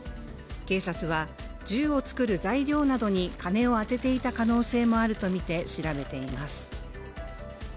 警察は、銃を作る材料などに金を充てていた可能性もあるとみて調べています。